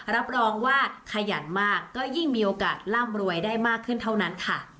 รับรองว่าขยันมากก็ยิ่งมีโอกาสร่ำรวยได้มากขึ้นเท่านั้นค่ะ